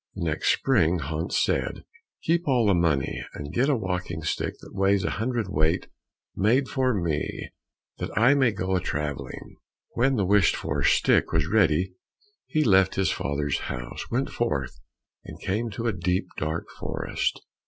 The next spring, Hans said, "Keep all the money and get a walking stick that weighs a hundred weight made for me that I may go a travelling." When the wished for stick was ready, he left his father's house, went forth, and came to a deep, dark forest.